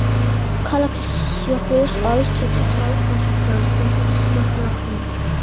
ქალაქის სიახლოვეს არის თეთრი წყაროს ნასოფლარი, სამშვილდის ნაქალაქარი.